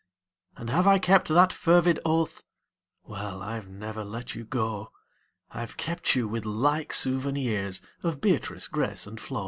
And have I kept that fervid oath? Well I've never let you go: I've kept you with like souvenirs Of Beatrice, Grace and Flo.